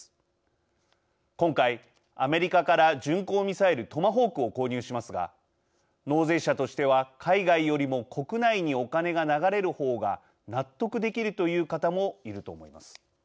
今回アメリカから巡航ミサイルトマホークを購入しますが納税者としては海外よりも国内にお金が流れる方が納得できるという方もいると思います。